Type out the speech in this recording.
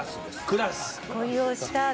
「恋をした」だ。